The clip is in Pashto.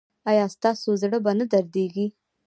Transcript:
ایا ستاسو زړه به نه دریدي؟